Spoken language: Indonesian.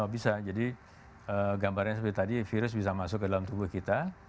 bisa jadi gambarnya seperti tadi virus bisa masuk ke dalam tubuh kita